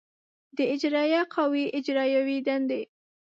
د اجرایه قوې اجرایوې دندې